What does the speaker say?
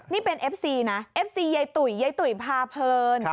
นี่เป็นเอฟซีนะเอฟซียายตุ๋ยยายตุ๋ยพาเพลิน